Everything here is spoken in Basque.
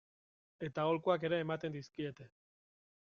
Eta aholkuak ere ematen dizkiete.